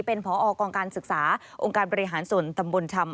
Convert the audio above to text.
เป็นพอกองการศึกษาองค์การบริหารส่วนตำบลชำ